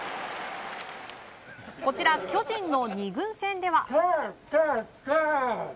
こちら、巨人の２軍戦では。